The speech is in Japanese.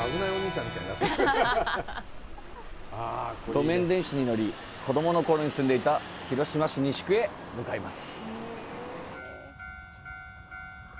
路面電車に乗り子供のころに住んでいた広島市西区へ向かいます。